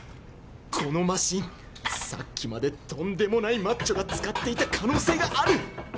このマシンさっきまでとんでもないマッチョが使っていた可能性がある！